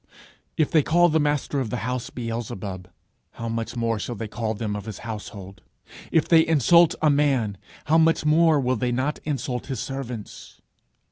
'If they have called the master of the house Beelzebub, how much more shall they call them of his household!' 'If they insult a man, how much more will they not insult his servants!'